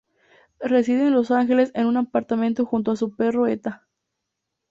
Reside en Los Ángeles en un apartamento junto a su perro Etta.